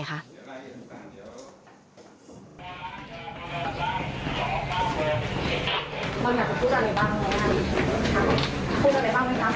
บอลอยากจะพูดอะไรบ้าง